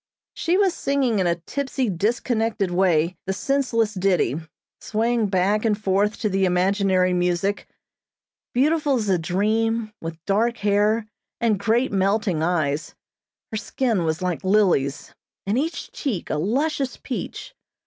She was singing in a tipsy, disconnected way the senseless ditty, swaying back and forth to the imaginary music. Beautiful as a dream, with dark hair, and great melting eyes, her skin was like lilies, and each cheek a luscious peach.